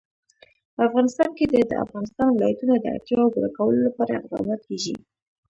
په افغانستان کې د د افغانستان ولايتونه د اړتیاوو پوره کولو لپاره اقدامات کېږي.